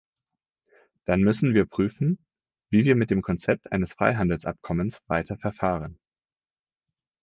Dann müssen wir prüfen, wie wir mit dem Konzept eines Freihandelsabkommens weiter verfahren.